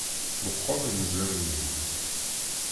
Meqqer anzaren-im.